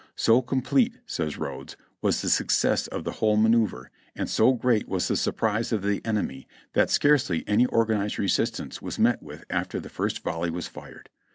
"So complete," says Rodes, "was the success of the whole manoeuvre, and so great was the surprise of the enemy, that scarcely any organized resistance was met with after the first volley was fired.